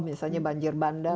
misalnya banjir bandang